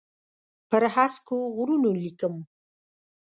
پر هسکو غرونو لیکم